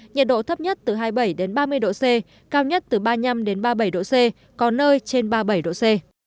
nhiệt độ thấp nhất từ hai mươi bảy ba mươi độ c cao nhất từ ba mươi năm ba mươi bảy độ c có nơi trên ba mươi bảy độ c